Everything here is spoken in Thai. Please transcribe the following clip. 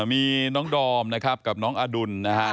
มีน้องดอมนะครับกับน้องอดุลนะฮะ